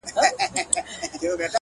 هغه خو دا خبري پټي ساتي،